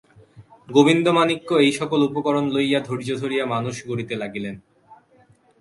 গোবিন্দমাণিক্য এই-সকল উপকরণ লইয়া ধৈর্য ধরিয়া মানুষ গড়িতে লাগিলেন।